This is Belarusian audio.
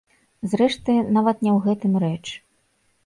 Зрэшты, нават не ў гэтым рэч.